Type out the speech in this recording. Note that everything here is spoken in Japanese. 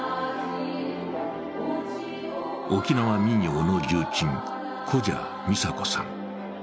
沖縄民謡の重鎮・古謝美佐子さん。